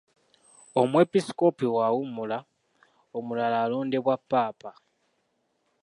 Omwepiskoopi bw'awummula, omulala alondebwa Ppaapa.